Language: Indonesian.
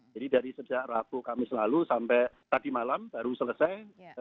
jadi dari sejak rabu kami selalu sampai tadi malam baru selesai